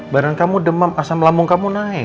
barang kamu demam asam lambung kamu naik